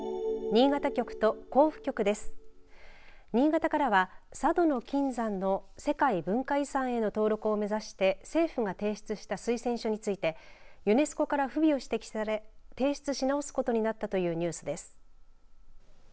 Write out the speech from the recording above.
新潟からは佐渡の金山の世界文化遺産への登録を目指して政府が提出した推薦書についてユネスコから不備を指摘され提出し直すことになったというニュースです。